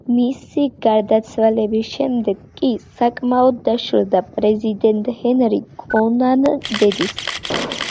მისი გარდაცვალების შემდეგ კი საკმაოდ დაშორდა პრეზიდენტ ჰენრი კონან ბედის.